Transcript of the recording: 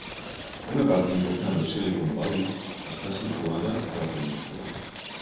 Una part important de Silicon Valley està situada a la península.